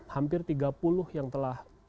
hampir tiga puluh yang telah